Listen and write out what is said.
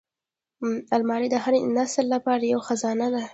الماري د هر نسل لپاره یوه خزانه ده